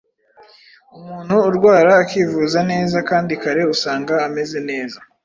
Umuntu urwara akivuza neza kandi kare usanga ameze neza.